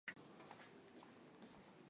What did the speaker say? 现任国会主席。